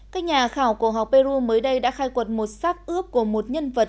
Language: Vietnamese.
các nhà khảo cổ học peru mới đây đã khai quật một sát ướp của một nhân vật